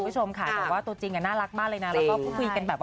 ชิวชิวอ่ะ